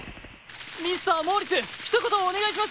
ミスターモーリス一言お願いします！